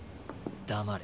黙れ。